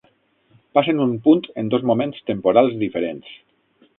Passen un punt en dos moments temporals diferents.